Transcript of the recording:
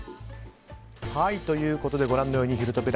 ということでご覧のようなひるトピ！